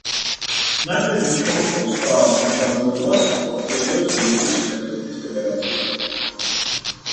ნაკრების კონტროლს და ხელმძღვანელობას ახორციელებს ლიტვის ფეხბურთის ფედერაცია.